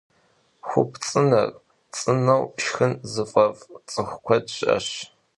Xupts'ıner ts'ıneu şşxın zıf'ef' ts'ıxu kued şı'eş.